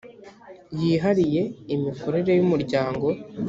yihariye imikorere y’ umuryango .